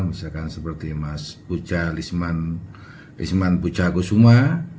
misalkan seperti mas puja lisman puja gusuma